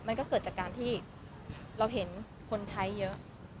มันก็เกิดจากการที่เราเห็นคนใช้เยอะ